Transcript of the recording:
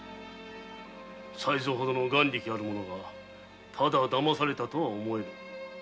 才三ほどの眼力ある者がただだまされたとは思えぬ。